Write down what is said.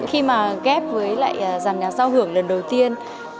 khi mà ghép với lại giàn nhạc giao hưởng lần đầu tiên